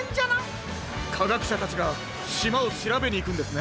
かがくしゃたちがしまをしらべにいくんですね。